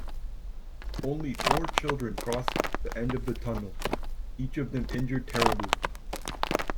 Only four children cross the end of the tunnel, each of them injured terribly.